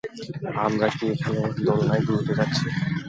আমরা কী এখানে দোলনায় দুলতে যাচ্ছি?